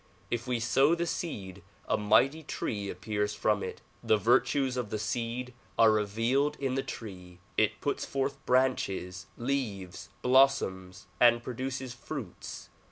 If we sow the seed, a mighty tree appears from it. The virtues of the seed are revealed in the tree ; it puts forth branches, leaves, blossoms, and produces fruits.